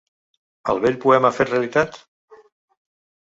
El vell poema fet realitat?